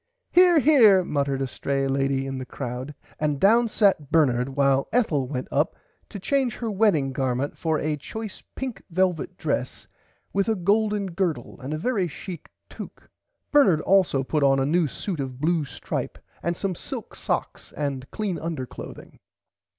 Here Here muttered a stray lady in the crowd and down sat Bernard while Ethel went up to change her wedding garment for a choice pink velvit dress with a golden gurdle and a very chick tocque. Bernard [Pg 101] also put on a new suit of blue stripe and some silk socks and clean under clothing.